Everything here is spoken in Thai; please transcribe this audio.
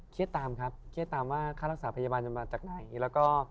เขียนตามข้ารักษาปัญยาบาลจนมาจากไหน